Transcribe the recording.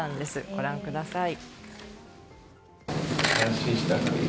ご覧ください。